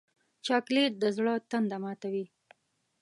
چاکلېټ د زړه تنده ماتوي.